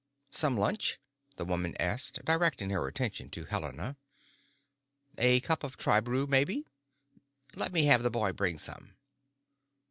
"Some lunch?" the woman asked, directing her attention to Helena. "A cup of tribrew, maybe? Let me have the boy bring some."